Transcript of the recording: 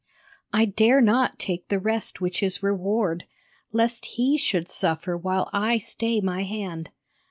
I dare not take the rest which is reward Lest He should suffer while I stay my hand.